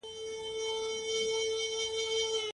منفي خبرونه د خلکو په اروا باندې سخت بوج راولي.